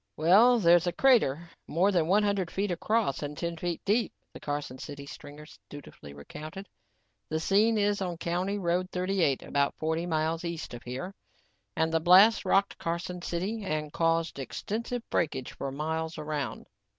"Well, there's a crater more than one hundred feet across and ten feet deep," the Carson City stringer dutifully recounted. "The scene is on County Road 38, about forty miles east of here and the blast rocked Carson City and caused extensive breakage for miles around."